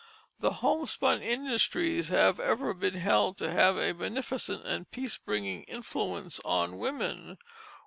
The homespun industries have ever been held to have a beneficent and peace bringing influence on women.